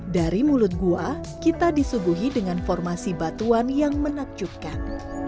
dari mulut gua kita disuguhi dengan formasi batuan yang menakjubkan